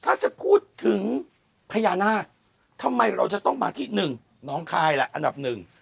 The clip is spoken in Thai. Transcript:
ถ้าจะพูดถึงพญานาคทำไมเราจะต้องมาที่๑น้องคลายแหละอันดับ๑